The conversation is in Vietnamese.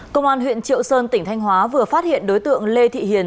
công an huyện triệu sơn tỉnh thanh hóa vừa phát hiện đối tượng lê thị hiền